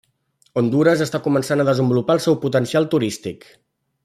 Hondures està començant a desenvolupar el seu potencial turístic.